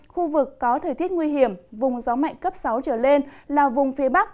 khu vực có thời tiết nguy hiểm vùng gió mạnh cấp sáu trở lên là vùng phía bắc